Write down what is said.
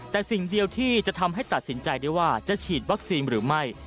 แต่สิ่งเดียวที่จะทำให้ตัดสินใจได้ว่าจะฉีดวัคซีนหรือไม่